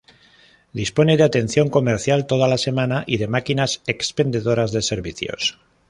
Dispone de atención comercial toda la semana y de máquinas expendedoras de servicios.